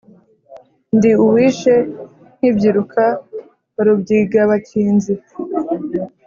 Ndi uwishe nkibyiruka wa Rubyigabakinzi;